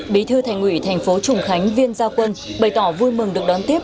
bí thư thành ủy thành phố trùng khánh viên gia quân bày tỏ vui mừng được đón tiếp